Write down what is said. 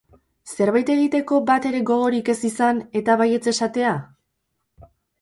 Zerbait egiteko batere gogorik ez izan, eta baietz esatea?